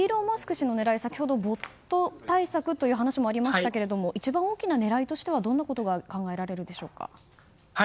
氏の狙い先ほど、ボット対策という話もありましたけれども一番大きな狙いとしてはどんなことが考えられるでしょうか。